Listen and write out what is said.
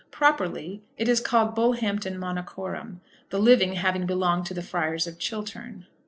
Properly it is called Bullhampton Monachorum, the living having belonged to the friars of Chiltern.